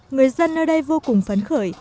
người dân ở đây vô cùng phấn khởi